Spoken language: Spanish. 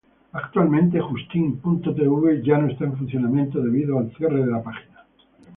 Actualmente justin.tv ya no está en funcionamiento debido al cierre de la página.